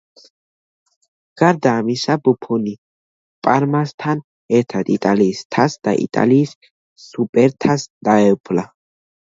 გარდა ამისა, ბუფონი პარმასთან ერთად იტალიის თასს და იტალიის სუპერთასს დაეუფლა.